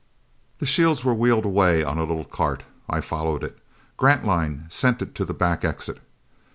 The shields were wheeled away on a little cart. I followed it. Grantline sent it to the back exit.